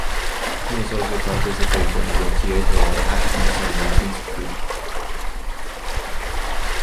He has also participated in the theatre lab at the Sundance Institute.